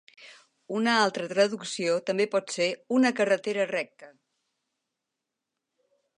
Una altra traducció també pot ser "una carretera recta".